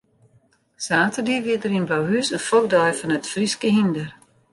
Saterdei wie der yn Blauhûs in fokdei fan it Fryske hynder.